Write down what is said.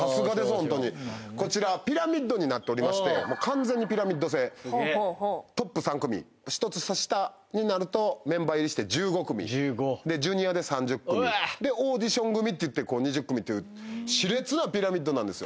ホントにこちらピラミッドになっておりまして完全にピラミッド制トップ３組１つ下になるとメンバー入りして１５組Ｊｒ．で３０組オーディション組っていって２０組という熾烈なピラミッドなんですよ